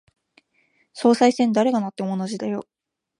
総裁選、誰がなっても同じだよ。